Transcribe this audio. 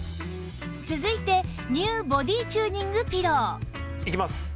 続いて ＮＥＷ ボディチューニングピローいきます。